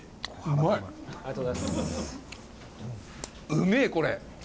うめえこれ！